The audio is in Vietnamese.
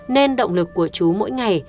nên động lực của chú mỗi ngày